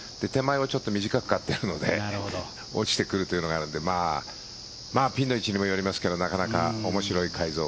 短く刈ってあるので落ちてくるというのがあるのでピンの位置にもよりますがなかなか面白い改造。